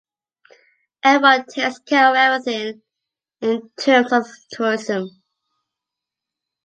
Everyone takes care of everything in terms of tourism.